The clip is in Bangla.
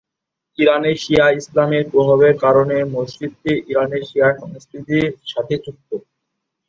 ইরানে শিয়া ইসলামের প্রভাবের কারণে মসজিদটি ইরানের শিয়া সংস্কৃতির সাথে যুক্ত।